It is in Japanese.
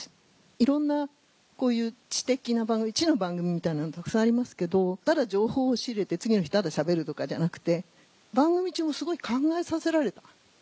いろんなこういう知的な番組知の番組みたいなのたくさんありますけどただ情報を仕入れて次の日ただしゃべるとかじゃなくて番組中もすごい考えさせられた。